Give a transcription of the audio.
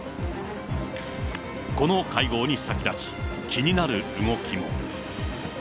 この会合に先立ち、気になる動きも。